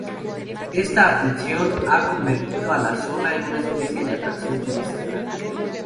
Esta atención ha convertido a la zona en una especie de atracción turística.